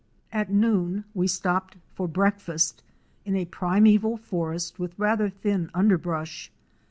At noon we stopped for breakfast in a primeval forest with rather thin underbrush.